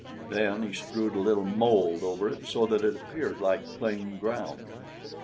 Then he strewed a little mold over it, so that it appeared like plain ground.